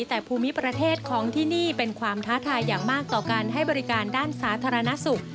แต่ภูมิประเทศของที่นี่เป็นความท้าทายอย่างมากต่อการให้บริการด้านสาธารณสุข